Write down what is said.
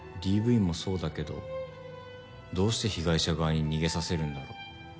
ＤＶもそうだけどどうして被害者側に逃げさせるんだろう。